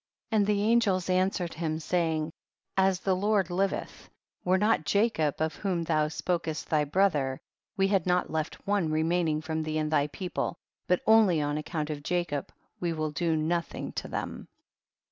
And the angels answered him, saying, as the Lord liveth, were not Jacob of whom thou spokest thy bro ther, we had not left one remaining fiom thee and thy people, but only on account of Jacob we will do no thing to them.